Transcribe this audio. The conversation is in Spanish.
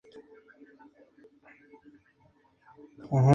El personaje fue creado por Christos Gage y Tom Raney.